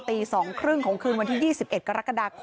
มีชายแปลกหน้า๓คนผ่านมาทำทีเป็นช่วยค่างทาง